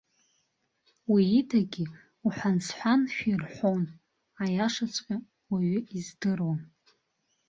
Уи идагьы уҳәансҳәаншәа ирҳәон, аиашаҵәҟьа уаҩы издыруам.